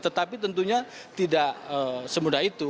tetapi tentunya tidak semudah itu